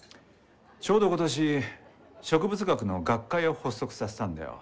ちょうど今年植物学の学会を発足させたんだよ。